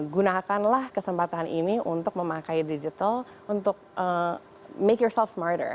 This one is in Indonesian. gunakanlah kesempatan ini untuk memakai digital untuk make yourself smarter